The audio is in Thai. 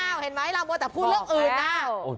เอาเห็นไหมเรามาตรก็พูดเรื่องอื่นน่ะ